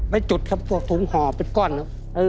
จุดครับพวกถุงห่อเป็นก้อนครับ